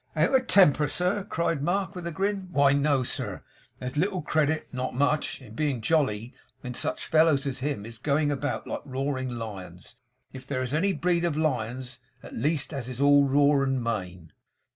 'Out of temper, sir!' cried Mark, with a grin; 'why no, sir. There's a little credit not much in being jolly, when such fellows as him is a going about like roaring lions; if there is any breed of lions, at least, as is all roar and mane.